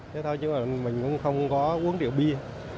thế thôi chứ mình cũng không có uống điệu bia